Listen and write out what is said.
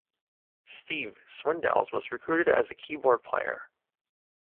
Steve Swindells was recruited as keyboard player.